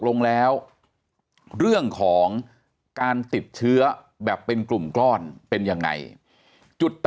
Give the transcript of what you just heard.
ลงแล้วเรื่องของการติดเชื้อแบบเป็นกลุ่มก้อนเป็นยังไงจุด๘